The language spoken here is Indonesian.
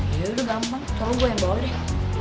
iya gampang kalau gue yang bawa deh